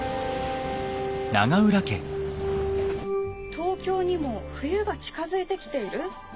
「東京にも冬が近づいてきている？